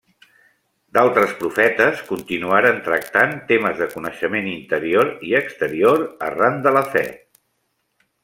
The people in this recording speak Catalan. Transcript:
D'altres profetes continuaren tractant temes de coneixement interior i exterior arran de la fe.